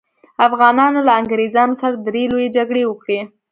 افغانانو له انګریزانو سره درې لويې جګړې وکړې.